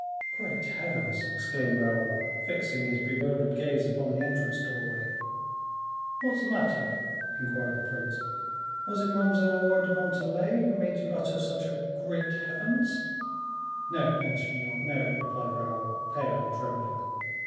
"Great heavens!" exclaimed Raoul, fixing his bewildered gaze upon the entrance doorway. "What's the matter?" inquired the prince; "was it Mademoiselle Aure de Montalais who made you utter such a 'Great heavens'?" "No, monseigneur, no," replied Raoul, pale and trembling.